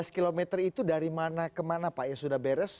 enam belas km itu dari mana ke mana pak ya sudah beres